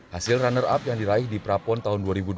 hasil runner up yang diraih di prapon tahun dua ribu dua puluh